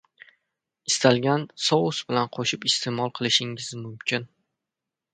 Istalgan sous bilan qo‘shib iste’mol qilishingiz mumkin